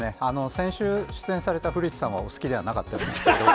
先週、出演された古市さんはお好きではなかったようですけれども。